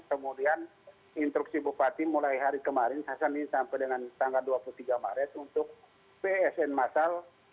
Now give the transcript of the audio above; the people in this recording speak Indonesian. kemudian instruksi bupati mulai hari kemarin hasil ini sampai dengan tanggal dua puluh tiga maret untuk psn masal